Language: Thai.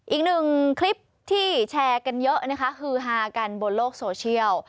อีกหนึ่งคลิปที่แชร์กันเยอะนะคะฮือฮากันบนโลกโซเชียล